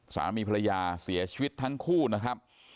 สามีภรรยาเสียชีวิตทั้งคู่นะครับ